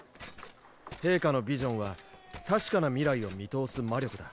陛下の「千里眼」は確かな未来を見通す魔力だ。